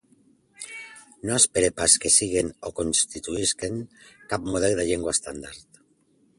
No espere pas que siguen o constituïsquen cap model de llengua estàndard.